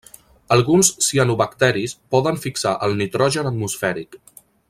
Alguns cianobacteris poden fixar el nitrogen atmosfèric.